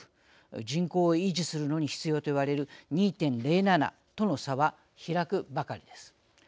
人口を維持するのに必要と言われる２．０７との差は開くばかりです。